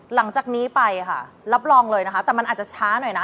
หลังจากนี้ไปค่ะรับรองเลยนะคะแต่มันอาจจะช้าหน่อยนะ